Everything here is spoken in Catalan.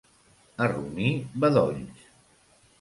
A Roní, bedolls.